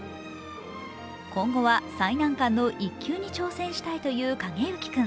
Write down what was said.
今後は最難関の１級に挑戦したいという景之君。